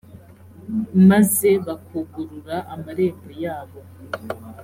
maze bakugurura amarembo yabo,